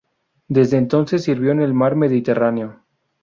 Desde entonces sirvió en el mar Mediterráneo.